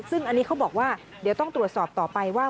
ซึ่งอันนี้เขาบอกว่าเดี๋ยวต้องตรวจสอบต่อไปว่า